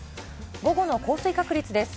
午後の降水確率です。